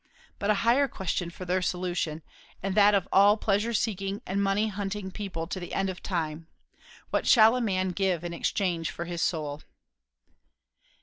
but a higher question for their solution and that of all pleasure seeking and money hunting people to the end of time, "What shall a man give in exchange for his soul?"